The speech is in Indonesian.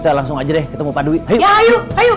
ya udah langsung aja deh ketemu padu ayo ayo